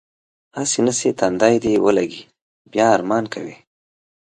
هسې نه چې تندی دې ولږي بیا ارمان کوې.